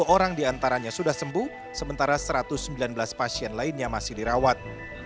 sepuluh orang diantaranya sudah sembuh sementara satu ratus sembilan belas pasien lainnya masih dirawat